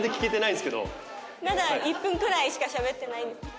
まだ１分くらいしかしゃべってない。